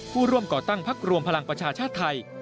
ผู้ร่วมก่อตั้งพักรวมพลังประชาชาติไทย